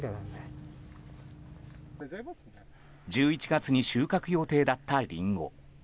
１１月に収穫予定だったリンゴ。